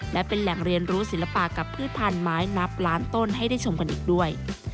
และเป็นแหล่งเรียนรู้ศิลปะกับพืชพันธุ์ไม้นับล้านต้นให้ได้ชมกันอีกด้วย